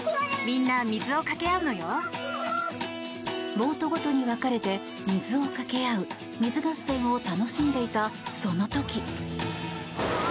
ボートごとに分かれて水をかけ合う水合戦を楽しんでいたその時。